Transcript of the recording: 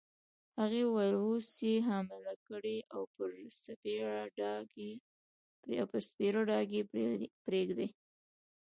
هغې وویل: اوس يې حامله کړې او پر سپېره ډاګ یې پرېږدې.